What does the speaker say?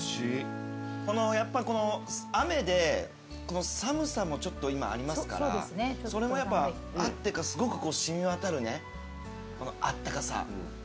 やっぱりこの雨で寒さもちょっと今ありますからそれもあってかすごく染み渡るこのあったかさ。